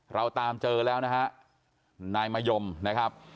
เราตามเจอแล้วนะฮะนายมะยมนะครับ